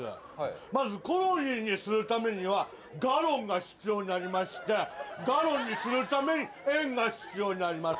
まず、コロニーにするためにはガロンが必要になりましてガロンにするために円が必要になります。